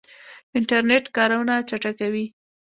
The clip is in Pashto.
انټرنیټ کارونه چټکوي